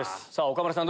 岡村さん